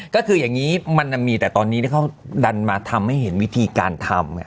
ก็คืออย่างนี้มันมีแต่ตอนนี้ที่เขาดันมาทำให้เห็นวิธีการทำ